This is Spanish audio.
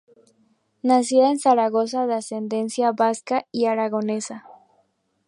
Nacida en Zaragoza de ascendencia vasca y aragonesa.